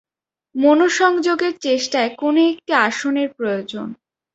মনঃসংযোগের চেষ্টায় কোন একটি আসনের প্রয়োজন।